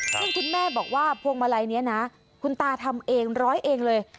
ซึ่งคุณแม่บอกว่าพวงมาลัยนี้นะคุณตาทำเองร้อยเองเลย